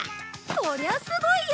こりゃすごいや！